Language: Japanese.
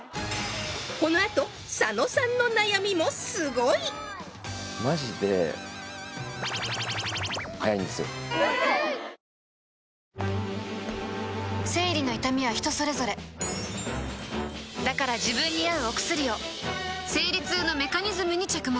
このあと生理の痛みは人それぞれだから自分に合うお薬を生理痛のメカニズムに着目